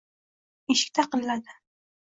Eshik taqilladi